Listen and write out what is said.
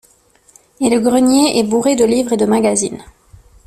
Et le grenier est bourré de livres et de magazines.